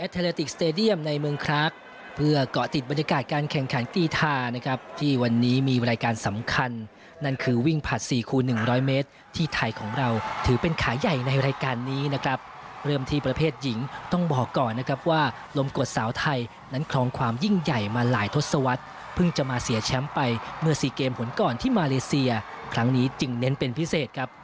ติดตามได้จากรายงานของคุณชูซักวงธองดีครับ